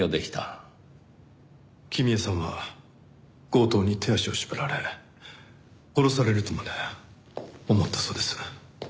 君枝さんは強盗に手足を縛られ殺されるとまで思ったそうです。